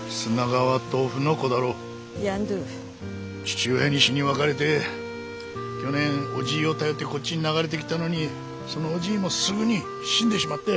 父親に死に別れて去年おじぃを頼ってこっちに流れてきたのにそのおじぃもすぐに死んでしまって。